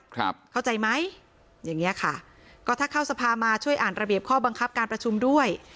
เข้าใจไหมอย่างเงี้ยค่ะก็ถ้าเข้าสภามาช่วยอ่านระเบียบข้อบังคับการประชุมด้วย